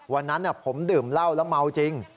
วันนั้นผมดื่มเหล้าแล้วเมาจริง